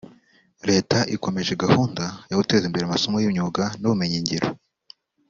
Leta ikomeje gahunda yo guteza imbere amasomo y’imyuga n’ubumenyingiro